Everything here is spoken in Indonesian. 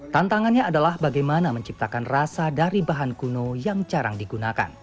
tantangannya adalah bagaimana menciptakan rasa dari bahan kuno yang jarang digunakan